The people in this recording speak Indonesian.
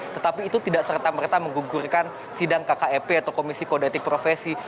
tetapi itu tidak serta merta menggugurkan sidang kkep atau komisi kodetik profesi